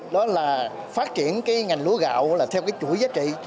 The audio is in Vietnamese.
đó là phát triển cái ngành lúa gạo là theo cái chuỗi giá trị